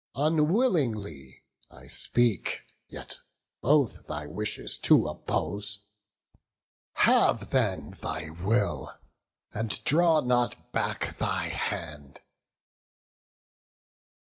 unwillingly I speak, yet both thy wishes to oppose: Have then thy will, and draw not back thy hand."